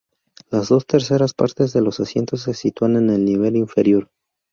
Las dos terceras partes de los asientos se sitúan en el nivel inferior.